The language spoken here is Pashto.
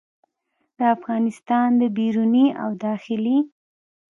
د افغانستان د بیروني او داخلي